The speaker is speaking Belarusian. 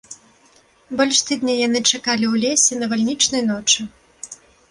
Больш тыдня яны чакалі ў лесе навальнічнай ночы.